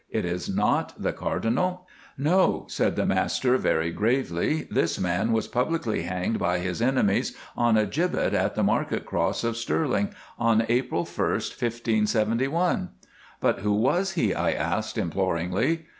It is not the Cardinal?' "'No,' said the master very gravely, 'this man was publicly hanged by his enemies on a gibbet at the Market Cross of Stirling on April 1st, 1571.' "'But who was he?' I asked, imploringly.